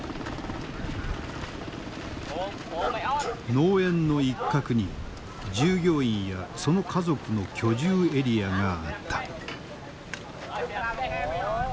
農園の一角に従業員やその家族の居住エリアがあった。